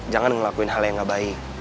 jangan ngelakuin hal yang gak baik